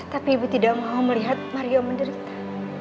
tapi ibu tidak mau melihat mario menderita